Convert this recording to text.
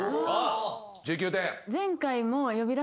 １９点。